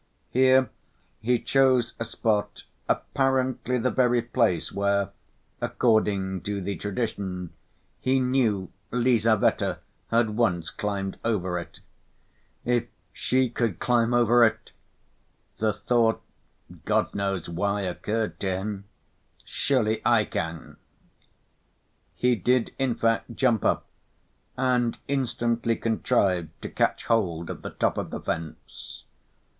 Here he chose a spot, apparently the very place, where according to the tradition, he knew Lizaveta had once climbed over it: "If she could climb over it," the thought, God knows why, occurred to him, "surely I can." He did in fact jump up, and instantly contrived to catch hold of the top of the fence.